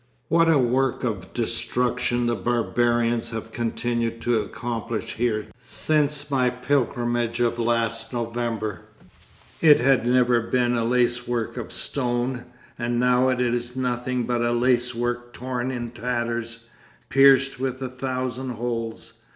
what a work of destruction the barbarians have continued to accomplish here since my pilgrimage of last November. It had ever been a lace work of stone, and now it is nothing but a lace work torn in tatters, pierced with a thousand holes.